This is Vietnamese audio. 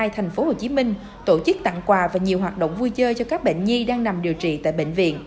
thành phố hồ chí minh tổ chức tặng quà và nhiều hoạt động vui chơi cho các bệnh nhi đang nằm điều trị tại bệnh viện